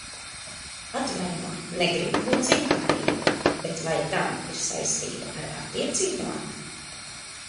Atvaino, negribu būt ziņkārīga, bet vai tam ir saistība ar attiecībām?